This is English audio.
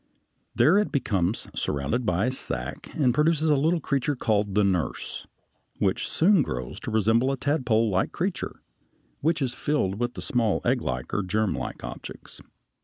There it becomes surrounded by a sack and produces a little creature called the nurse (b), which soon grows to resemble the tadpolelike creature (C), which is filled with small egglike or germlike objects (a).